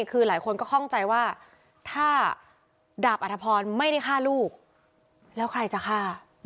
คือหลายคนก็คล่องใจว่าถ้าดาบอัธพรไม่ได้ฆ่าลูกแล้วใครจะฆ่า